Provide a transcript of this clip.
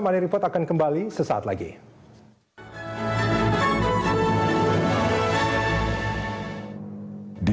money report akan kembali sesaat lagi